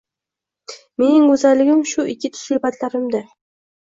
Mening go‘zalligim shu ikki tusli patlarimda